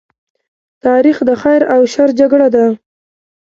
تاریخ د خیر او شر جګړه ده.